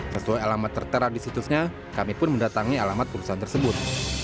sesuai alamat tertera di situsnya kami pun mendatangi alamat perusahaan tersebut